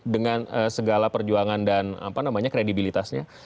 dengan segala perjuangan dan kredibilitasnya